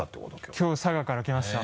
きょう佐賀から来ました